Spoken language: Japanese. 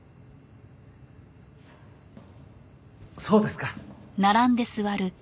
そうですか。